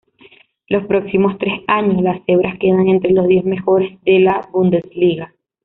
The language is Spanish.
Los próximos tres años, las Cebras quedan entre los diez mejores de la Bundesliga.